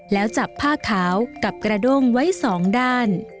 แล้วจับผ้าขาวกับกระด้งไว้สองด้าน